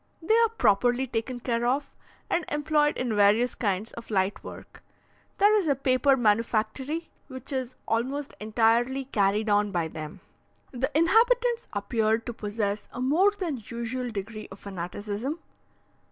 They are properly taken care of, and employed in various kinds of light work. There is a paper manufactory, which is almost entirely carried on by them. The inhabitants appeared to possess a more than usual degree of fanaticism.